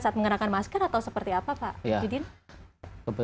saat mengenakan masker atau seperti apa pak judin